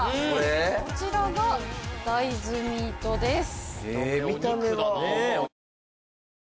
こちらが大豆ミートです。